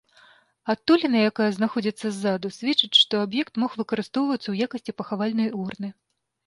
Адтуліна, якая знаходзіцца ззаду, сведчыць, што аб'ект мог выкарыстоўвацца ў якасці пахавальнай урны.